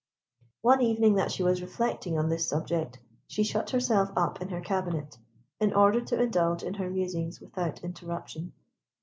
One evening that she was reflecting on this subject, she shut herself up in her cabinet, in order to indulge in her musings without interruption.